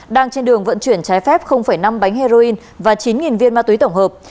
đang trên đường vận chuyển trái phép năm bánh heroin và chín viên ma túy tổng hợp